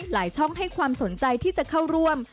ช่องให้ความสนใจที่จะเข้าร่วม